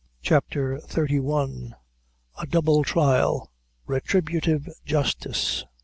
CHAPTER XXXI. A Double Trial Retributive Justice.